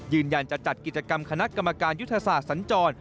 ยืนยันจะจัดกิจกรรมคณะกรรมการยุทธศาสตร์สัญจร